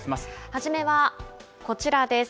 はじめはこちらです。